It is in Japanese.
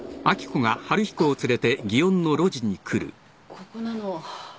ここなの。